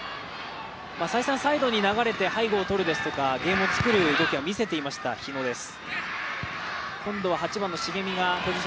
再三、サイドに流れて背後をとるですとかゲームを作る動きは見せていました、日野です。